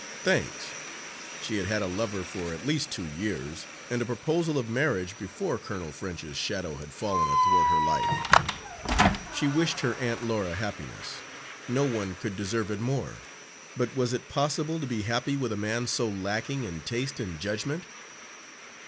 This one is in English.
Thanks! She had had a lover for at least two years, and a proposal of marriage before Colonel French's shadow had fallen athwart her life. She wished her Aunt Laura happiness; no one could deserve it more, but was it possible to be happy with a man so lacking in taste and judgment?